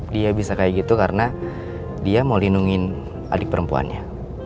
dia bisa kayak gitu karena dia mau lindungi adik perempuannya